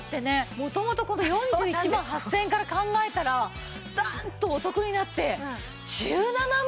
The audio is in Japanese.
もともとこの４１万８０００円から考えたらダンッとお得になって１７万